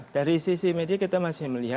dari sisi media kita masih melihat